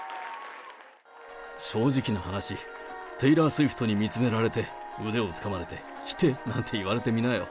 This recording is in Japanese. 正直な話、テイラー・スウィフトに見つめられて、腕をつかまれて、来てなんて言われてみなよ。